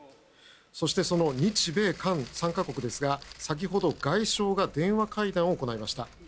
そして、その日米韓３か国ですが先ほど外相が電話会談を行いました。